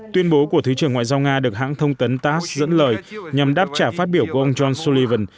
tuyên bố của thứ trưởng ngoại giao nga được hãng thông tấn tass dẫn lời nhằm đáp trả phát biểu của ông john sullivan